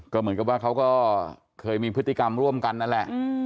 ก็เหมือนกับว่าเขาก็เคยมีพฤติกรรมร่วมกันนั่นแหละ